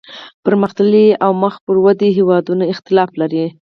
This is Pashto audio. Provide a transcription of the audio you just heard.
پرمختللي او مخ پر ودې هیوادونه اختلاف لري